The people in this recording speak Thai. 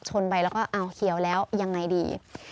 ชนไปแล้วก็อ้าวเขียวแล้วยังไงดี